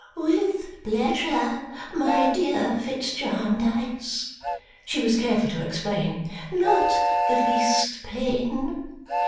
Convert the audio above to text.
"With pleasure, my dear Fitz Jarndyce," she was careful to explain. "Not the least pain.